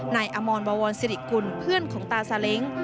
นายอมรบวรสิริกุลเพื่อนของตาซาเล้ง